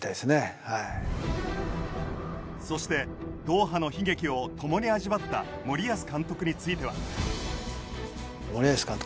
そしてドーハの悲劇を共に味わった森保監督については。